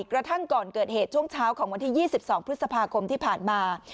กระทั่งก่อนเกิดเหตุช่วงเช้าของวันที่๒๒พฤษภาคมที่ผ่านมา